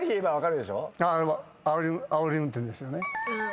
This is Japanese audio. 「あおり運転」ですよね。